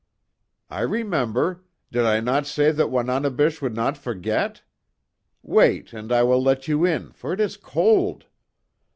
"I remember. Did I not say that Wananebish would not forget? Wait, and I will let you in, for it is cold."